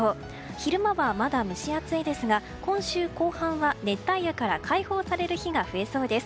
昼間はまだ蒸し暑いですが今週後半は熱帯夜から解放される日が増えそうです。